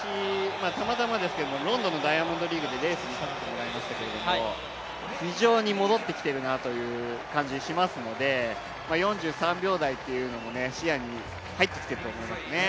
たまたまロンドンのダイヤモンドリーグでレース見させてもらいましたけど非常に戻ってきてるなっていう感じがしますので、４３秒台というのも視野に入ってきていると思いますね。